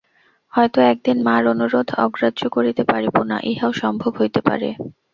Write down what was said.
হয়তো একদিন মার অনুরোধ অগ্রাহ্য করিতে পারিব না, ইহাও সম্ভব হইতে পারে।